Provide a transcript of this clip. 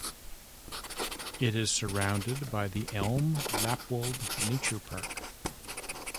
It is surrounded by the Elm-Lappwald Nature Park.